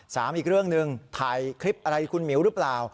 อีกเรื่องหนึ่งถ่ายคลิปอะไรคุณหมิวหรือเปล่า